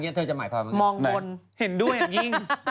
เห็นด้วยอย่างนี้